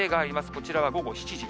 こちらは午後７時。